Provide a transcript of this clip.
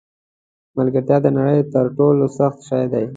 ملګرتیا د نړۍ تر ټولو سخت شی دی.